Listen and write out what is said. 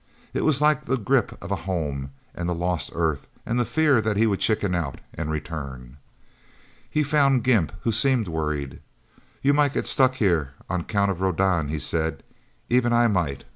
It was like the grip of home, and the lost Earth, and the fear that he would chicken out and return. He found Gimp, who seemed worried. "You might get stuck, here, on account of Rodan," he said. "Even I might.